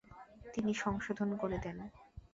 তিনি সংশোধন করে দেন।